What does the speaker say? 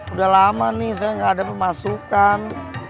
udah lama nih saya nggak ada pemasukan